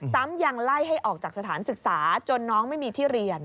ซ้ำยังไล่ให้ออกจากสถานศึกษาจนน้องไม่มีที่เรียน